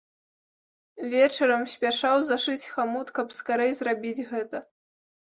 Вечарам спяшаў зашыць хамут, каб скарэй зрабіць гэта.